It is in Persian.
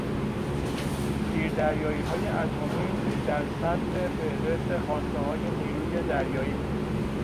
زیردریاییهای اتمیدر صدر فهرست خواستههای نیروی دریایی بود.